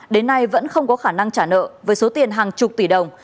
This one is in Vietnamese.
đến nay vẫn không có khả năng trả nợ với số tiền hàng chục tỷ đồng